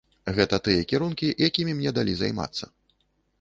Гэта тыя кірункі, якімі мне далі займацца.